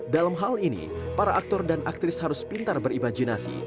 dalam hal ini para aktor dan aktris harus pintar berimajinasi